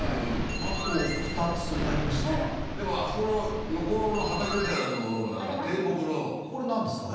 あと２つありましてでもあそこの横の畑みたいなものが低木のこれなんですかね？